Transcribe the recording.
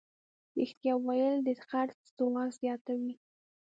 رښتیا ویل د خرڅ ځواک زیاتوي.